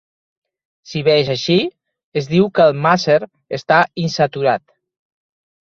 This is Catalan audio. Si bé és així, es diu que el màser està "insaturat".